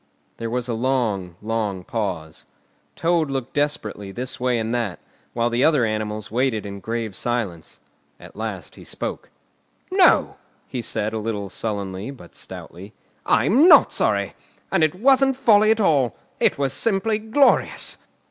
There was a long, long pause. Toad looked desperately this way and that, while the other animals waited in grave silence. At last he spoke. "No!" he said, a little sullenly, but stoutly; "I'm not sorry. And it wasn't folly at all! It was simply glorious!"